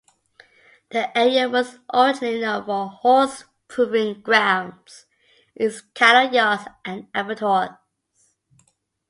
The area was originally known for horse proving grounds, its cattle yards, and abattoirs.